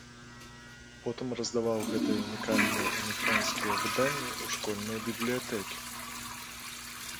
Потым раздаваў гэтыя ўнікальныя эмігранцкія выданні ў школьныя бібліятэкі.